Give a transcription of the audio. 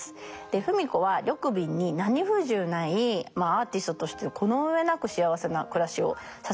芙美子は緑敏に何不自由ないアーティストとしてこの上なく幸せな暮らしをさせたのではないでしょうか。